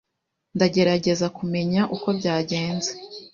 Ndagerageza kumenya uko byagenze.